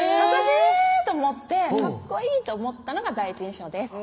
えぇ！と思ってかっこいいと思ったのが第一印象です